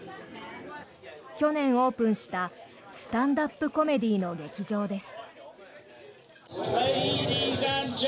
去年オープンしたスタンダップコメディーの劇場です。